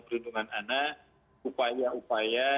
perlindungan anak upaya upaya